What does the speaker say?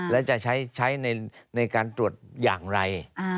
และจะใช้ในการตรวจอย่างไร